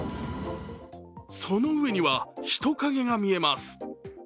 その上には、人影が見えます。